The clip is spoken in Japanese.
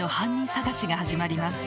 捜しが始まります